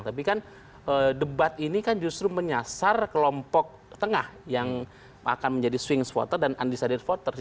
tapi kan debat ini kan justru menyasar kelompok tengah yang akan menjadi swing voter dan undecided voters